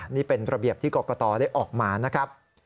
นี่เป็นระเบียบที่กรกตได้ออกมานะครับ